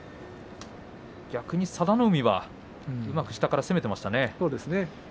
逆に佐田の海うまく下から攻めていました。